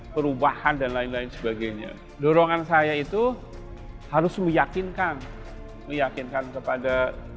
perubahan dan lain lain sebagainya dorongan saya itu harus meyakinkan meyakinkan kepada